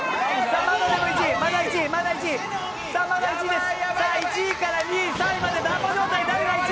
まだ１位です！